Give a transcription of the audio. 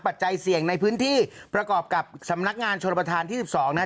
ปัจจัยเสี่ยงในพื้นที่ประกอบกับสำนักงานชนประธานที่๑๒นะครับ